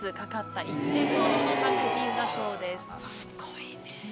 すごいねぇ。